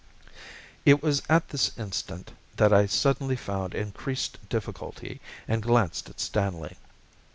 It was at this instant that I suddenly found increased difficulty, and glanced at Stanley.